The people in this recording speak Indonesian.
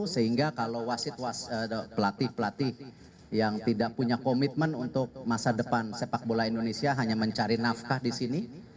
sehingga kalau pelatih pelatih yang tidak punya komitmen untuk masa depan sepak bola indonesia hanya mencari nafkah di sini